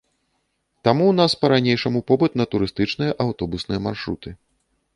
Таму ў нас па-ранейшаму попыт на турыстычныя аўтобусныя маршруты.